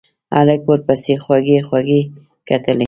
هلک ورپسې خوږې خوږې کتلې.